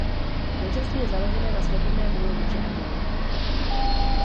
Manželství je založené na svobodné vůli muže a ženy.